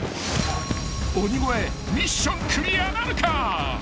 ［鬼越ミッションクリアなるか］